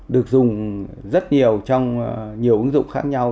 được dùng rất nhiều trong nhiều ứng dụng khác nhau